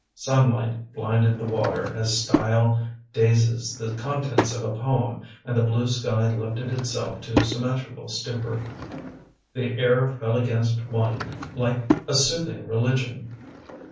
Sunlight blinded the water as style dazes the contents of a poem and the blue sky lifted itself to symmetrical stupor. The air fell against one like a soothing religion.